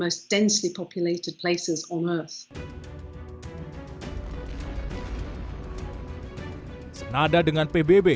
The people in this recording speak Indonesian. senada dengan pbb